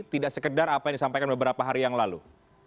tidak sekedar apa yang disampaikan beberapa hari yang lalu